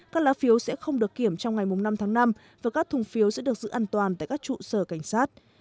các lá phiếu sẽ không được kiểm trong ngày năm tháng năm và các thùng phiếu sẽ được giữ an toàn tại các trụ sở cảnh sát